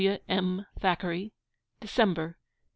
W. M. THACKERAY. December 1854.